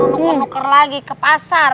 nuker nuker lagi ke pasar